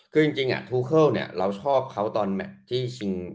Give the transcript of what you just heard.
คือจริงทูเคิลเราชอบเขาตอนแมทที่ชิง